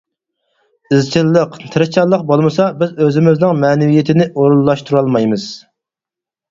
ئىزچىللىق، تىرىشچانلىق بولمىسا بىز ئۆزىمىزنىڭ مەنىۋىيىتىنى ئورۇنلاشتۇرالمايمىز.